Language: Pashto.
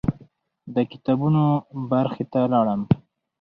د کتابونو برخې ته لاړم.